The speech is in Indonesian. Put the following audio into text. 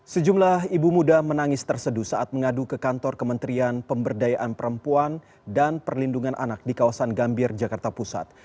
sejumlah ibu muda menangis terseduh saat mengadu ke kantor kementerian pemberdayaan perempuan dan perlindungan anak di kawasan gambir jakarta pusat